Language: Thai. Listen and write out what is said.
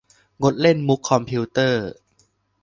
งดเล่นมุขคอมพิวเตอร์